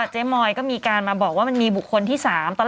ทีแรกเลยที่คุณพอร์ตโพสต์